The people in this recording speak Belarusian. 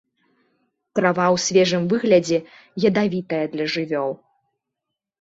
Трава ў свежым выглядзе ядавітая для жывёл.